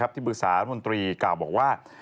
ที่บริษัทมนตรีกล่าวบอกว่า